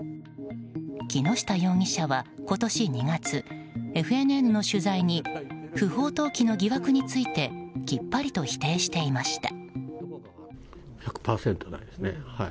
木下容疑者は今年２月ＦＮＮの取材に不法投棄の疑惑についてきっぱりと否定していました。